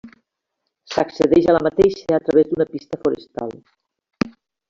S'accedeix a la mateixa a través d'una pista forestal.